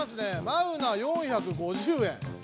マウナ４５０円。